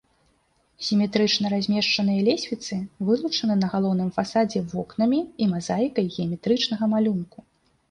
Сіметрычна размешчаныя лесвіцы вылучаны на галоўным фасадзе вокнамі і мазаікай геаметрычнага малюнку.